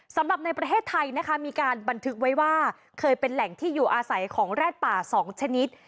สำหรับในประเทศไทยนะคะมีการบันทึกไว้ว่าเคยเป็นแหล่งที่อยู่อาศัยของแรดป่า๒ชนิด